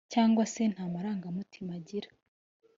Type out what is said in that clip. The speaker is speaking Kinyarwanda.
cyangwa se nta marangamutima agira